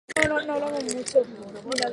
No hi passa cap carretera major.